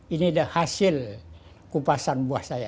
ini ada hasil kupasan buah saya